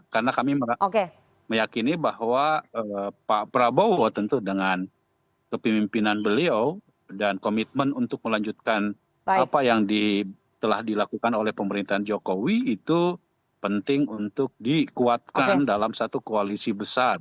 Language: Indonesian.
karena kami meyakini bahwa pak prabowo tentu dengan kepemimpinan beliau dan komitmen untuk melanjutkan apa yang telah dilakukan oleh pemerintahan jokowi itu penting untuk dikuatkan dalam satu koalisi besar